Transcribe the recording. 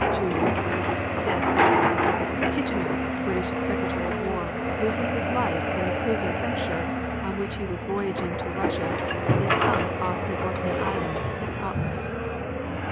June 5. Kitchener, British Secretary of War, loses his life when the cruiser Hampshire, on which he was voyaging to Russia, is sunk off the Orkney Islands, Scotland.